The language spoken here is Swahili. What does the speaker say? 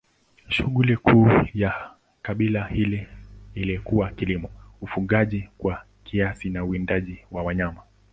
Shughuli kuu ya kabila hili ilikuwa kilimo, ufugaji kwa kiasi na uwindaji wa wanyama.